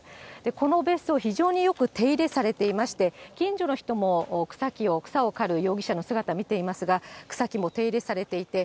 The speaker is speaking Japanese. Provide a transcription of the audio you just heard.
この別荘、非常によく手入れされていまして、近所の人も草木を、草を刈る容疑者の姿を見ていますが、草木も手入れされていて、